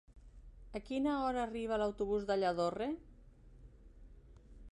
A quina hora arriba l'autobús de Lladorre?